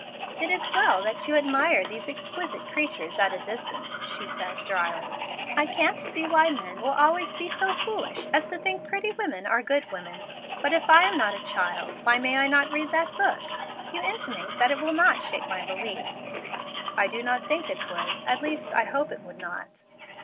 "It is well that you admire these exquisite creatures at a distance," she said, dryly. "I can't see why men will always be so foolish as to think pretty women are good women. But if I am not a child why may I not read that book? You intimate that it will not shake my belief." "I do not think it would, at least I hope it would not."